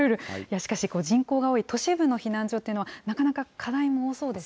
しかし、人口が多い都市部の避難所というのは、なかなか課題も多そうです